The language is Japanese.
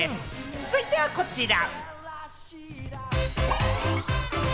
続いてはこちら。